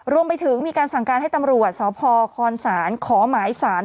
รวมไปถึงมีการสั่งการให้ตำรวจสพคศขอหมายสาร